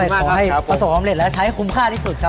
ทำให้ประสบความเร็จและใช้คุ้มค่าที่สุดครับ